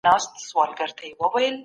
تاسو باید خپلو زده کړو ته پوره پام وکړئ.